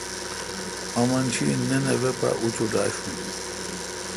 امن شی نِن اے وے پا اچوٹ آݭوں۔